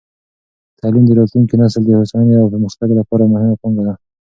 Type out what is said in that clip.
تعلیم د راتلونکې نسل د هوساینې او پرمختګ لپاره مهمه پانګه ده.